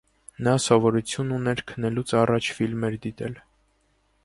Նա սովորություն ուներ քնելուց առաջ ֆիլմեր դիտել։